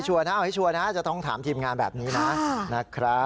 เอาให้ชัวร์นะจะต้องถามทีมงานแบบนี้นะนะครับ